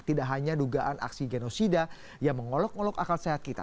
tidak hanya dugaan aksi genosida yang mengolok ngolok akal sehat kita